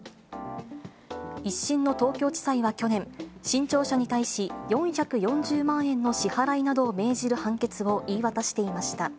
１審の東京地裁は去年、新潮社に対し、４４０万円の支払いなどを命じる判決を言い渡していました。